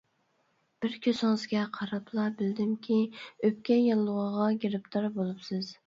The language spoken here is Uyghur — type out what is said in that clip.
بىر كۆزىڭىزگە قاراپلا بىلدىمكى، ئۆپكە ياللۇغىغا گىرىپتار بولۇپسىز.